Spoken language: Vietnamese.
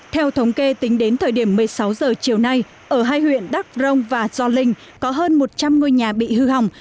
theo thống kê tính đến thời điểm một mươi sáu h chiều nay ở hai huyện đắk rông và gio linh có hơn một trăm linh ngôi nhà bị hư hỏng